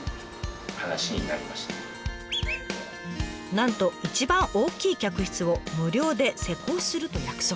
なんと一番大きい客室を無料で施工すると約束。